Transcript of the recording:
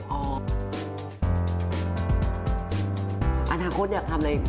อนาคตอยากทำอะไร